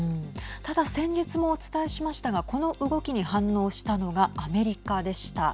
ただ、先日もお伝えしましたがこの動きに反応したのがアメリカでした。